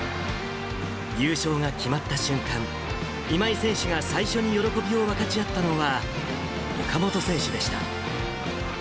優勝が決まった瞬間、今井選手が最初に喜びを分かち合ったのは、岡本選手でした。